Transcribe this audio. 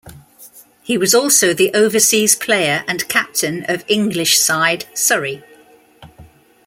He was also the overseas player and captain of English side Surrey.